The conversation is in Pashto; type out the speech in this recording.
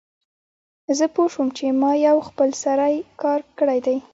زه پوه شوم چې ما یو خپل سری کار کړی دی